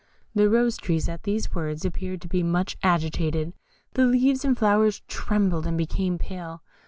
The Rose tree at these words appeared to be much agitated, the leaves and flowers trembled, and became pale.